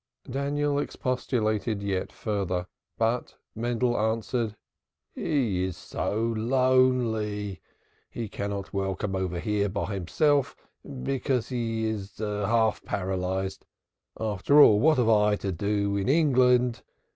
Daniel expostulated yet further, but Mendel answered: "He is so lonely. He cannot well come over here by himself because he is half paralyzed. After all, what have I to do in England?